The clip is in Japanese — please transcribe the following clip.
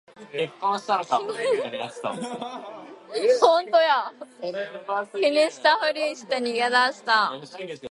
気にしたふりして逃げ出した